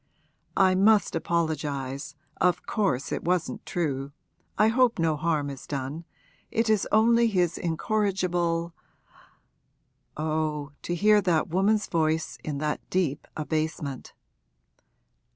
'I must apologise, of course it wasn't true, I hope no harm is done, it is only his incorrigible ' Oh, to hear that woman's voice in that deep abasement!